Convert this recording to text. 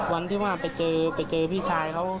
วันที่เจอพี่ชายค้าว่า